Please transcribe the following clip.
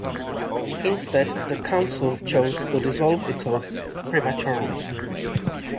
Instead, the council chose to dissolve itself prematurely.